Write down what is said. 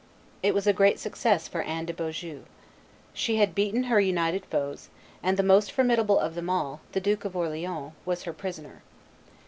It was a great success for Anne de Beaujeu. She had beaten her united foes; and the most formidable of them all, the Duke of Orleans, was her prisoner.